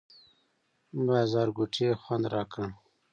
بازارګوټي یې خوند راکړ.